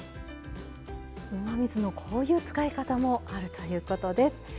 うまみ酢のこういう使い方もあるということです。